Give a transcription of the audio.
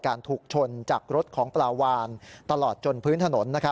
ถูกชนจากรถของปลาวานตลอดจนพื้นถนน